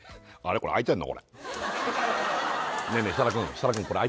これ開いてんの？